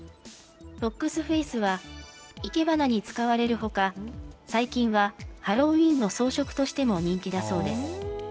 フォックスフェイスは、生け花に使われるほか、最近は、ハロウィーンの装飾としても人気だそうです。